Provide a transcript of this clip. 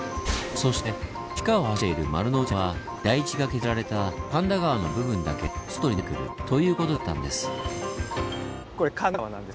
そして地下を走っている丸ノ内線は台地が削られた神田川の部分だけ外に出てくるということだったんです。